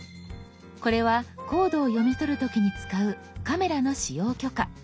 これはコードを読み取る時に使うカメラの使用許可。